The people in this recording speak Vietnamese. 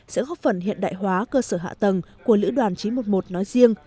sẽ góp phần hiện đại hóa cơ sở hạ tầng của lữ đoàn dù đặc biệt chín trăm một mươi một nói riêng